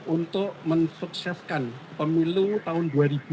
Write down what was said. untuk mensukseskan pemilu tahun dua ribu dua puluh